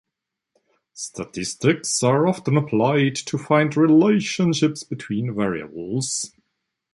Statistics are often applied to find relationships between variables.